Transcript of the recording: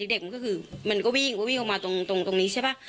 เด็กมันก็คือมันก็วิ่งก็วิ่งออกมาตรงนี้ใช่ป่ะ